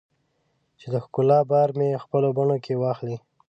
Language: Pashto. چې د ښکلا بار مې خپلو بڼو کې واخلې